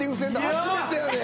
初めてやで。